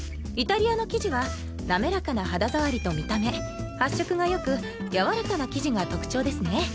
イタリアの生地はなめらかな肌触りと見た目発色がよくやわらかな生地が特徴ですね。